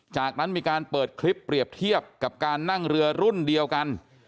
จากนั้นมีการเปิดคลิปเปรียบเทียบกับการนั่งเรือรุ่นเดียวกัน